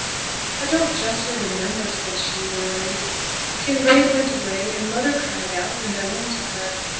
'I don't justly remember,' she said, wearily. 'Kinraid went away, and mother cried out; and I went to her.